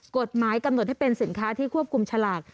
กฎหมายกำหนดให้เป็นสินค้าที่ควบคุมฉลาก